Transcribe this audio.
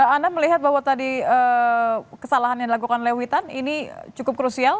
anda melihat bahwa tadi kesalahan yang dilakukan oleh witan ini cukup krusial